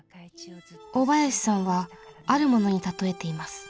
大林さんはあるものに例えています。